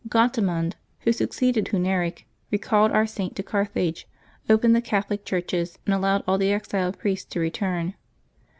Gontamund, who succeeded Hu nerie, recalled our Saint to Carthage, opened the Catholic churches, and allowed all the exiled priests to return.